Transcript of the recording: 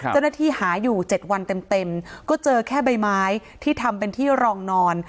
เจ้าหน้าที่หาอยู่๗วันเต็มก็เจอแค่ใบไม้ที่ทำเป็นที่รองนอน